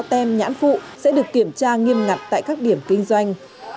tem nhãn phụ sẽ được kiểm tra nghiêm ngặt tại các điểm kinh doanh